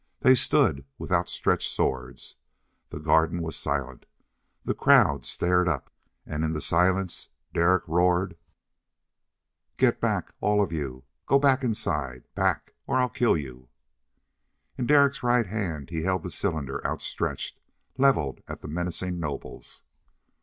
They stood, with outstretched swords. The garden was silent; the crowd stared up. And in the silence Derek roared, "Get back! All of you, go back inside! Back, or I'll kill you!" In Derek's right hand he held the cylinder outstretched, leveled at the menacing nobles.